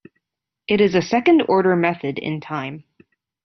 It is a second-order method in time.